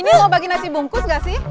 ini mau bagi nasi bungkus gak sih